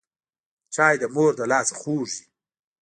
چای د مور له لاسه خوږ وي